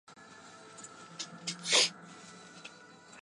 该校的工商管理硕士专业的认证。